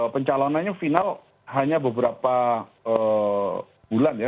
pencalonannya final hanya beberapa bulan ya